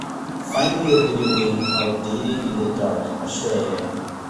Find me a video game called Dating in the Dark Australia